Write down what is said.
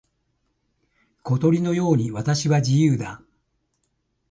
小鳥のように私は自由だ。